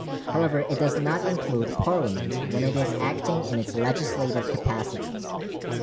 However, it does not include Parliament when it is acting in its legislative capacities.